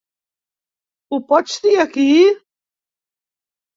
Ho pots dir aquí?